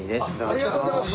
ありがとうございます。